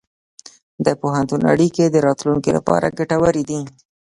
د پوهنتون اړیکې د راتلونکي لپاره ګټورې دي.